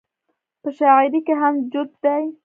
پۀ شاعرۍ کښې هم جوت دے -